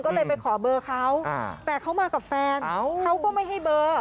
ก็เลยไปขอเบอร์เขาแต่เขามากับแฟนเขาก็ไม่ให้เบอร์